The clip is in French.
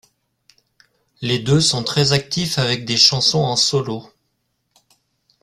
Les deux sont très actifs avec des chansons en solo.